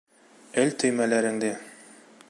Эл төймәләреңде!